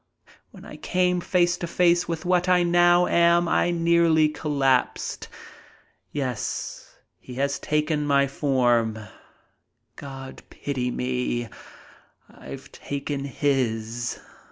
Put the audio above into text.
When I came face to face with what I now am I nearly collapsed. Yes, he has taken my form. God pity me! I've taken his!